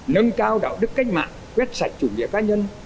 nâng cao đạo đức cách mạng quét sạch chủ nghĩa cá nhân